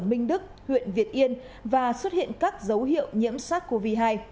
minh đức huyện việt yên và xuất hiện các dấu hiệu nhiễm sars cov hai